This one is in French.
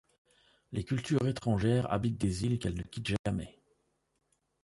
Les cultures étrangères habitent des îles qu'elles ne quittent jamais.